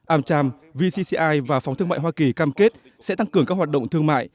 amcham vcci và phóng thương mại hoa kỳ cam kết sẽ tăng cường các hoạt động thương mại